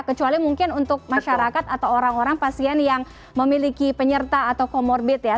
kecuali mungkin untuk masyarakat atau orang orang pasien yang memiliki penyerta atau comorbid ya